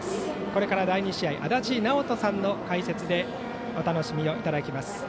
これから第２試合足達尚人さんの解説でお楽しみをいただきます。